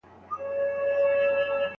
کبابي ته پکار ده چې د غریبانو په حال پوه شي.